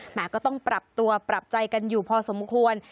ก็ต้องปรับตัวปรับใจกันอยู่พอสมควร